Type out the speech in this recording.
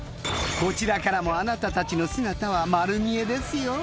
こちらからもあなたたちの姿は丸見えですよ。